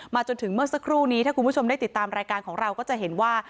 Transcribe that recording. จนถึงเมื่อสักครู่นี้ถ้าคุณผู้ชมได้ติดตามรายการของเราก็จะเห็นว่า